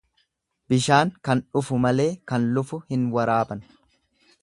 Bishaan kan dhufu malee kan lufu hin waraaban.